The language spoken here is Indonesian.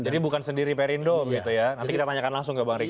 jadi bukan sendiri perindo gitu ya nanti kita tanyakan langsung ke bang riki